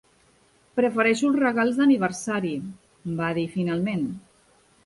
"Prefereixo els regals d'aniversari", va dir finalment.